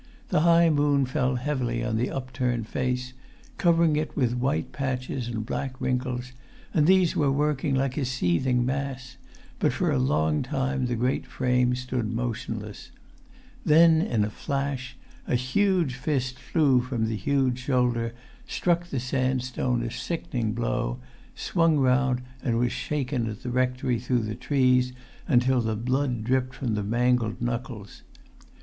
The high moon fell heavily on the upturned face, covering it with white patches and black wrinkles; and these were working like a seething mass; but for a long time the great[Pg 241] frame stood motionless. Then, in a flash, a huge fist flew from the huge shoulder, struck the sandstone a sickening blow, swung round and was shaken at the rectory through the trees until the blood dripped from the mangled knuckles.